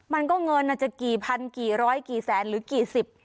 มันก็เงินอาจจะกี่พันกี่ร้อยกี่แสนหรือกี่สิบ